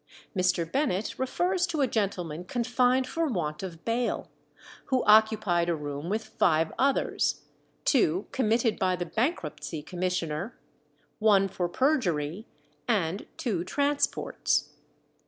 Mr. Bennet refers to a gentleman confined for want of bail, who occupied a room with five others two committed by the Bankruptcy Commissioner, one for perjury, and two transports.